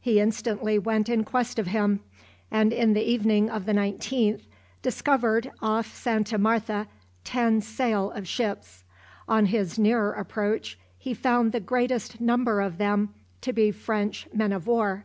He instantly went in quest of him, and in the evening of the 19th, discovered off Santa Martha ten sail of ships. On his nearer approach he found the greatest number of them to be French men of war.